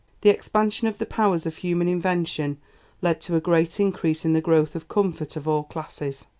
The expansion of the powers of human invention led to a great increase in the growth of comfort of all classes.